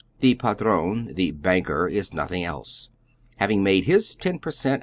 The padrone ^the " banker" is nothing else — having made his ten per cent.